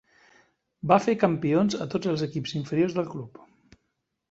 Va fer campions a tots els equips inferiors del club.